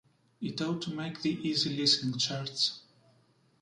It ought to make the 'Easy-Listening' charts.